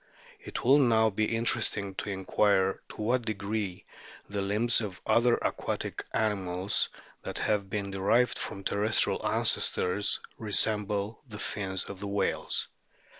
It will now be interesting to inquire to what degree the limbs of other aquatic animals that have been derived from terrestrial ancestors resemble the fins of the whales.